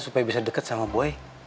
supaya bisa deket sama boy